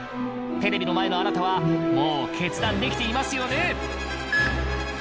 テレビの前のあなたはもう決断できていますよね？